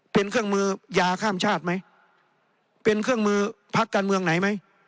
เป็นเครื่องมือยาข้ามชาติไหมเป็นเครื่องมือพักการเมืองไหนไหม